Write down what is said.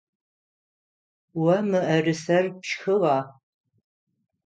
О мыӏэрысэр пшхыгъа?